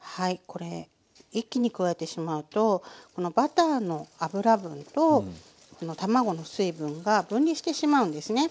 これ一気に加えてしまうとこのバターの脂分と卵の水分が分離してしまうんですね。